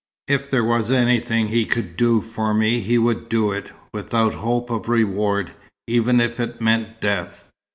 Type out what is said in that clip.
If there was anything he could do for me, he would do it, without hope of reward, even if it meant death.